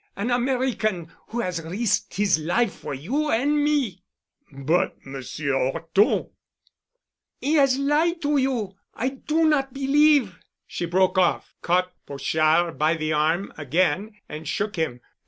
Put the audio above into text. An American—who has risked his life for you and me——" "But Monsieur 'Orton——" "He has lied to you. I do not believe——" She broke off, caught Pochard by the arm again and shook him.